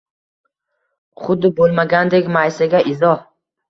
Xuddi bo’lmagandek maysaga izoh